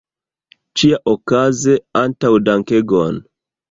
Ĉiaokaze, antaŭdankegon!